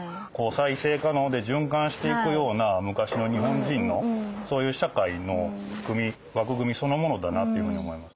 再生可能で循環していくような昔の日本人のそういう社会の枠組みそのものだなというふうに思います。